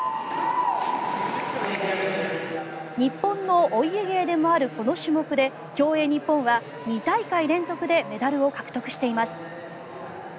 日本のお家芸でもあるこの種目で競泳日本は２大会連続でメダルを獲得しています。